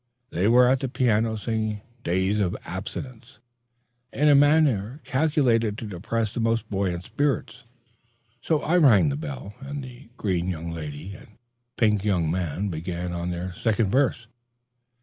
They were at the piano, singing "Days of Absence" in a manner calculated to depress the most buoyant spirits. I rang the bell, and the green young lady and pink young man began on the second verse.